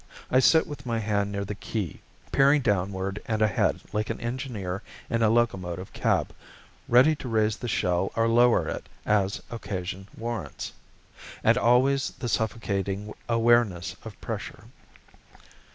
I sit with my hand near the key, peering downward and ahead like an engineer in a locomotive cab, ready to raise the shell or lower it as occasion warrants. And always the suffocating awareness of pressure....